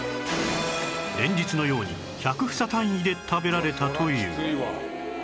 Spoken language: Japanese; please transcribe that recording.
連日のように１００房単位で食べられたという